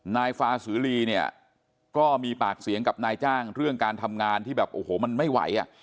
นายฟาสือลีก็มีปากเสียงกับนายจ้างเรื่องการทำงานที่แบบมันไม่ไหว